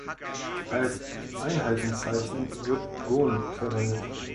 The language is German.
Als Einheitenzeichen wird „gon“ verwendet.